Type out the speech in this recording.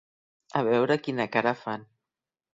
A veure quina cara fan.